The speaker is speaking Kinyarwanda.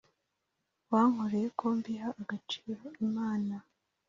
wankoreye ko mbiha agaciro imana